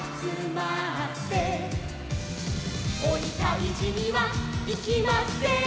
「おにたいじにはいきません」